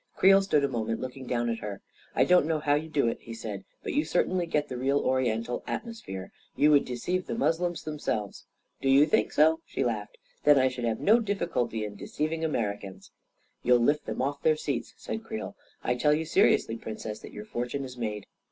Creel stood a moment looking down at her. " I don't know how you do it," he said, " but you certainly get the real Oriental atmosphere. You would deceive the Muslims themselves 1 "" Do you think so ?" she laughed. " Then I should have no difficulty in deceiving Americans !"" You'll lift them off their seats," said Creel. " I tell you seriously, Princess, that your fortune is made."